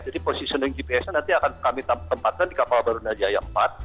jadi positioning gps nya nanti akan kami tempatkan di kapal barunia jaya empat